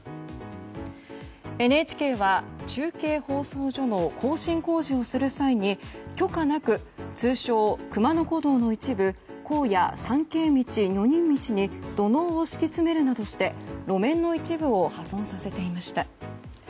ＮＨＫは、中継放送所の更新工事をする際に許可なく通称・熊野古道の一部高野参詣道女人道に土のうを敷き詰めるなどして路面の一部を破損させていました。